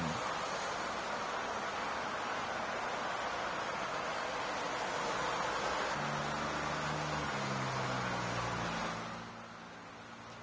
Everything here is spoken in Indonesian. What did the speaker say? ketika di tol cikatama